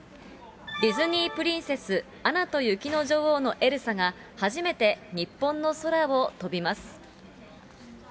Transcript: ディズニープリンセス、アナと雪の女王のエルサが、初めて日本の空を飛びます。